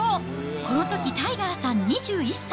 このとき、タイガーさん２１歳。